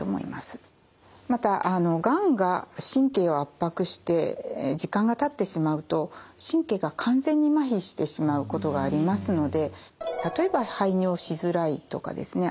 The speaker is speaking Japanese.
またがんが神経を圧迫して時間がたってしまうと神経が完全にまひしてしまうことがありますので例えば排尿しづらいとかですね